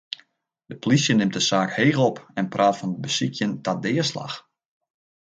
De plysje nimt de saak heech op en praat fan besykjen ta deaslach.